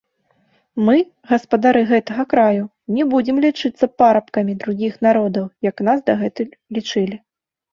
Мы, гаспадары гэтага краю, не будзем лічыцца парабкамі другіх народаў, як нас дагэтуль лічылі.